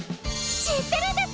知ってるんですか？